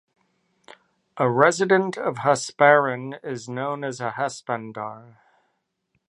A resident of Hasparren is known as a 'Haspandar'.